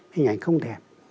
hình ảnh không đẹp